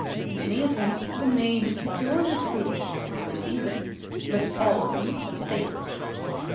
Many attempts have been made to secure this fruit at the proper season, but all of them have failed.